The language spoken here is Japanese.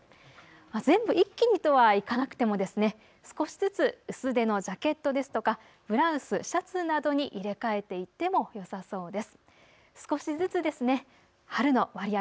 全部一気にとはいかなくても少しずつ薄手のジャケットですとかブラウス、シャツなどに入れ替えていってもよさそうです。